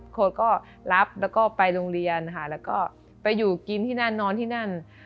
เขาก็รับแล้วก็ไปโรงเรียนค่ะแล้วก็ไปอยู่กินที่นั่นนอนที่นั่น